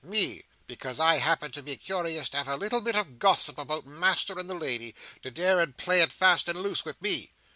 "Me! Because I happen to be curious to have a little bit of gossip about Master and the lady, to dare to play at fast and loose with me!